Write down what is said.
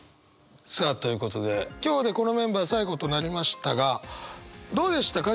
さあということで今日でこのメンバー最後となりましたがどうでしたか？